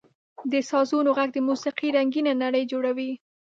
• د سازونو ږغ د موسیقۍ رنګینه نړۍ جوړوي.